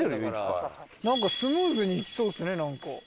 スムーズにいきそうですねなんか。